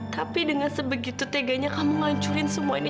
tapi dengan sebegitu teganya kamu ngancurin semua ini